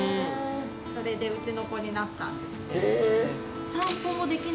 それでうちの子になったんです。